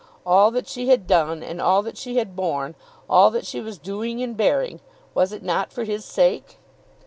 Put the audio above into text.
All that she had done, and all that she had borne, all that she was doing and bearing, was it not for his sake?